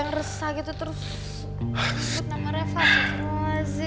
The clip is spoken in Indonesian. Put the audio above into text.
mas aku mau pergi